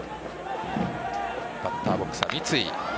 バッターボックスは三井。